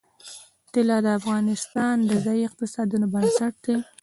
طلا د افغانستان د ځایي اقتصادونو بنسټ دی.